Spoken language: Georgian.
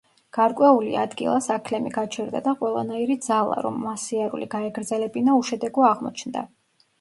გარკვეული ადგილას აქლემი გაჩერდა და ყველანაირი ძალა, რომ მას სიარული გაეგრძელებინა, უშედეგო აღმოჩნდა.